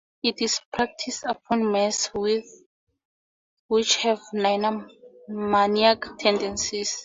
It is practiced upon mares which have nymphomaniac tendencies.